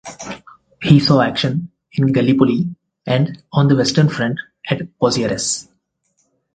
He saw action in Gallipoli and on the Western Front at Pozieres.